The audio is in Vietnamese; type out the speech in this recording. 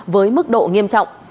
với mức độ nghiêm trọng